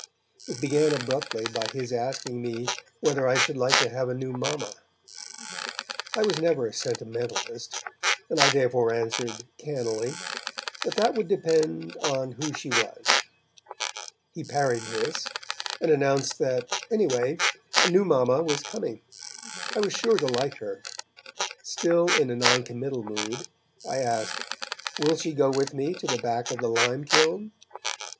It began abruptly by his asking me whether I should like to have a new mamma. I was never a sentimentalist, and I therefore answered, cannily, that that would depend on who she was. He parried this, and announced that, anyway, a new mamma was coming; I was sure to like her. Still in a noncommittal mood, I asked: 'Will she go with me to the back of the lime kiln?'